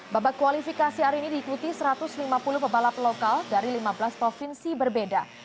babak kualifikasi hari ini diikuti satu ratus lima puluh pebalap lokal dari lima belas provinsi berbeda